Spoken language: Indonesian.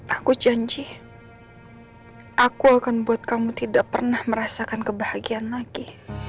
aku janji aku akan buat kamu tidak pernah merasakan kebahagiaan lagi